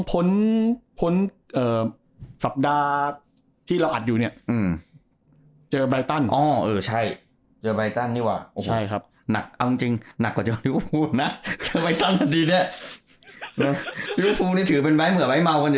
ผลสัปดาห์ที่เราอัดอยู่เนี่ย